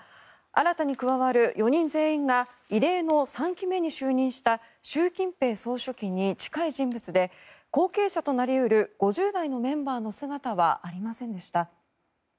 新たに加わる４人全員が異例の３期目に就任した習近平総書記に近い人物で後継者となり得る５０代のメンバーの姿はありませんでした。